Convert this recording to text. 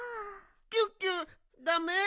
キュッキュッダメ？